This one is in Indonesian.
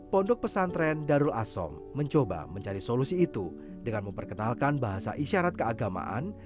pondok pesantren darul asom mencoba mencari solusi itu dengan memperkenalkan bahasa isyarat keagamaan